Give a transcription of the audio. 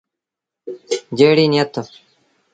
جيڙيٚ نيٿ ۔